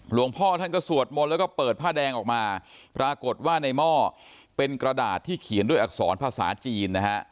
หลวงพ่อท่านก็สวดมนต์แล้วก็เปิดผ้าแดงออกมาปรากฏว่าในหม้อเป็นกระดาษที่เขียนด้วยอักษรภาษาจีนนะฮะ